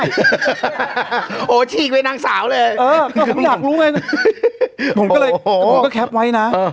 โอ้โหฉีกเลยนางสาวเลยเออก็ผมอยากรู้ไงผมก็เลยแคปไว้นะ